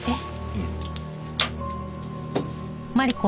うん。